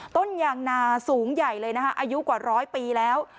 ต้นยางนาสูงใหญ่เลยนะคะอายุกว่าร้อยปีแล้ว